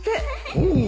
ほう